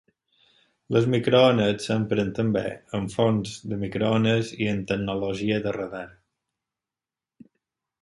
Les microones s'empren també en forns de microones i en tecnologia de radar.